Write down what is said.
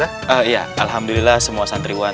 alhamdulillah semua santriwan